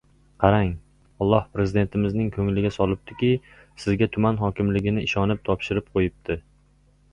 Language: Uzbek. Qarang, Olloh Prezidentimizning ko‘ngliga solibdiki, sizga tuman hokimligini ishonib topshirib qo‘yibdi.